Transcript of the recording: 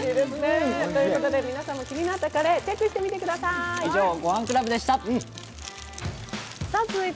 皆さんも気になったカレーチェックしてみてください。